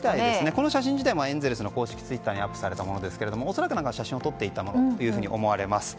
この写真自体もエンゼルスの公式ツイッターにアップされたものですがおそらく写真を撮っていたと思われます。